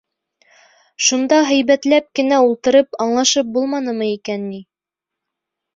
Шунда һәйбәтләп кенә ултырып аңлашып булманымы икән ни?..